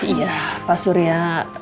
iya pak surya